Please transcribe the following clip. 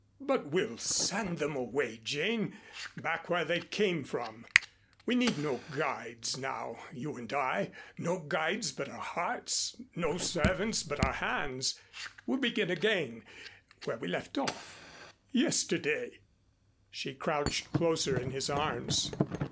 "But we'll send them away, Jane, back where they came from. We need no guides now, you and I, no guides but our hearts, no servants but our hands. We'll begin again where we left off yesterday." She crouched closer in his arms.